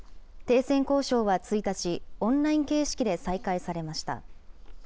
停戦交渉は１日、オンライン形式で再開されました。